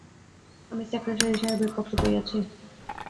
আমি সেক্রেটারী সাহেবের পত্র পাইয়াছি।